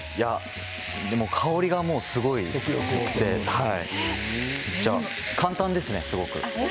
香りがすごくて簡単ですね、すごく。